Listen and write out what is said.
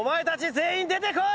「全員出てこい」。